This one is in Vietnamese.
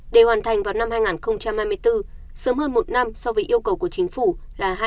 để hoàn thành vào năm hai nghìn hai mươi bốn sớm hơn một năm so với yêu cầu của chính phủ là hai nghìn hai mươi năm